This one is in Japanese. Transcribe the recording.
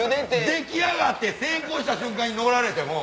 出来上がって成功した瞬間に乗られても。